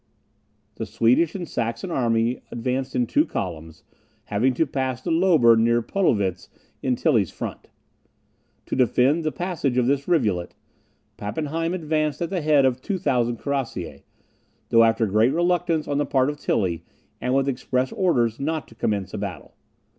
The Swedish and Saxon army advanced in two columns, having to pass the Lober near Podelwitz, in Tilly's front. To defend the passage of this rivulet, Pappenheim advanced at the head of 2000 cuirassiers, though after great reluctance on the part of Tilly, and with express orders not to commence a battle.